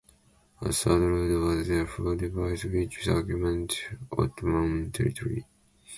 A third route was therefore devised which circumvented Ottoman territory.